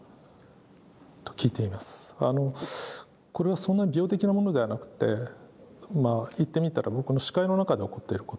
これはそんな病的なものではなくってまあいってみたら僕の視界の中で起こってること。